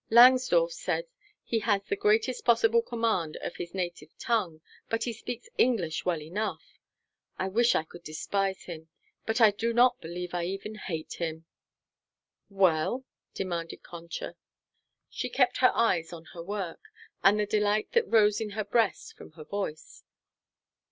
Langsdorff says that he has the greatest possible command of his native tongue, but he speaks English well enough. I wish I could despise him, but I do not believe I even hate him." "Well?" demanded Concha. She kept her eyes on her work (and the delight that rose in her breast from her voice).